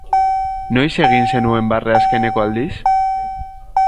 Noiz egin zenuen barre azkeneko aldiz?